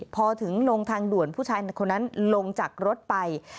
พอถึงลงทางด่วนผู้ชายคนนั้นลงจากรถไป